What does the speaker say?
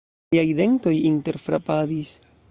Liaj dentoj interfrapadis.